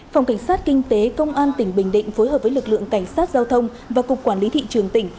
phòng cảnh sát kinh tế công an tỉnh bình định phối hợp với lực lượng cảnh sát giao thông và cục quản lý thị trường tỉnh